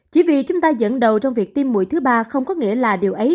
chỉ vì chúng ta dẫn đầu trong việc tiêm mũi thứ ba không có nghĩa là điều ấy